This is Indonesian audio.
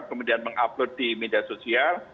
kemudian mengupload di media sosial